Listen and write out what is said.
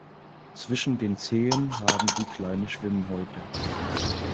Zwischen den Zehen haben sie kleine Schwimmhäute.